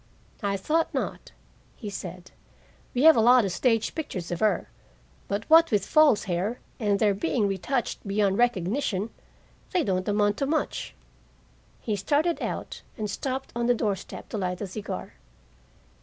"I thought not," he said. "We have a lot of stage pictures of her, but what with false hair and their being retouched beyond recognition, they don't amount to much." He started out, and stopped on the door step to light a cigar.